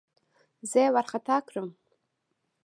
زه يې وارخطا کړم.